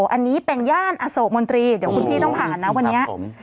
อันนี้เป็นย่านอโศกมนตรีเดี๋ยวคุณพี่ต้องผ่านนะวันนี้